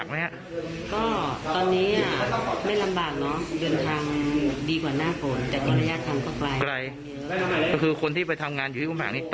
ก็ก็เป็นห่วงมากเลยก็อยากทรงกำลังใจ